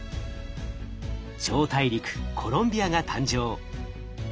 超大陸コロンビアが誕生。